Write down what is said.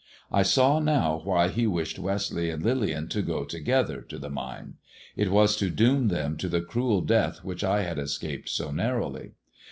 I saw now why he wished Westleigh and Lillian to go togetlier to the mine : it was to doom than to the cruel death which I had escaped so narrowly.